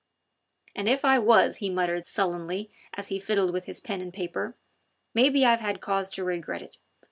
"And if I was," he muttered sullenly as he fiddled with his pen and paper, "maybe I've had cause to regret it.